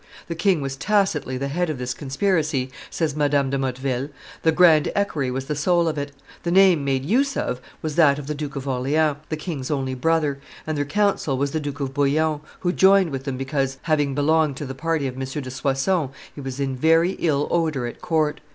"The king was tacitly the head of this conspiracy," says Madame de Motteville: "the grand equerry was the soul of it; the name made use of was that of the Duke of Orleans, the king's only brother; and their counsel was the Duke of Bouillon, who joined with them because, having belonged to the party of M. de Soissons, he was in very ill odor at court.